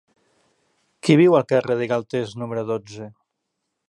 Qui viu al carrer de Galtés número dotze?